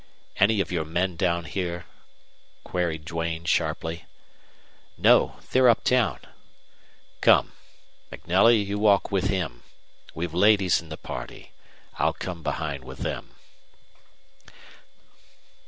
"Any of your men down here?" queried Duane, sharply. "No. They're up town." "Come. MacNelly, you walk with him. We've ladies in the party. I'll come behind with them."